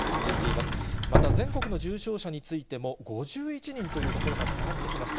また、全国の重症者についても、５１人というところまで下がってきました。